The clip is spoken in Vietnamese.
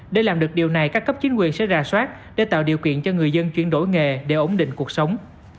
để làm được điều này các cấp chính quyền sẽ ra soát để tạo điều kiện cho người dân chuyển đổi nghề để ổn định cuộc sống